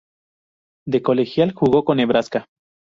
De colegial jugo con Nebraska.